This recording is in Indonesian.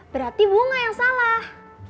berarti bunga yang salah